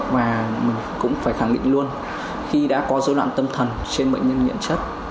và mình cũng phải khẳng định luôn khi đã có dối loạn tâm thần trên bệnh nhân nhiễm chất